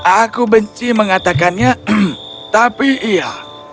aku benci mengatakannya tapi iya